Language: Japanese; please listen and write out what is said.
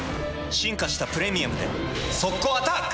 進化した「プレミアム」で速攻アタック！